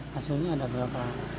hasilnya ada berapa